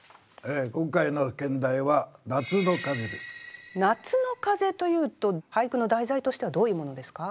今回の兼題は「夏の風」というと俳句の題材としてはどういうものですか？